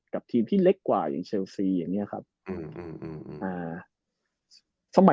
กับทีมที่เล็กกว่าอย่างเชลซีอย่างเนี้ยครับอืมอืมอืมอ่า